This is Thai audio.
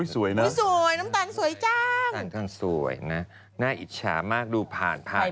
สวยนะน้ำตาลสวยจังนะน้าอิจฉามากดูผ่านภาพ